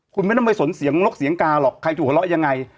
คุณไม่ต้องไปสนเสียงลกเสียงกาหรอกใครถูกหัวเราะยังไง